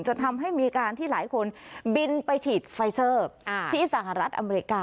จนทำให้มีการที่หลายคนบินไปฉีดไฟเซอร์ที่สหรัฐอเมริกา